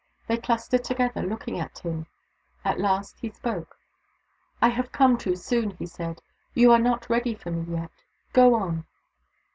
They clustered together, looking at him At last he spoke. " I have come too soon," he said. " You are not ready for me yet. Go on."